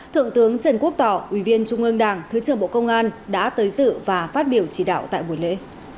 thượng tướng trần quốc tỏ ủy viên trung ương đảng thứ trưởng bộ công an đã tới dự và phát biểu chỉ đạo tại buổi lễ